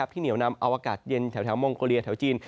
ที่เหนียวนำอากาศเย็นแถวมงกรียะแถวจีน